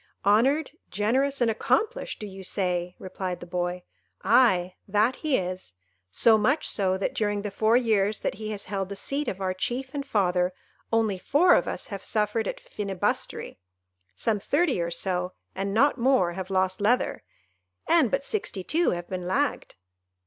"Honoured, generous, and accomplished! do you say?" replied the boy: "aye, that he is; so much so, that during the four years that he has held the seat of our chief and father, only four of us have suffered at Finibusterry; some thirty or so, and not more, have lost leather; and but sixty two have been lagged."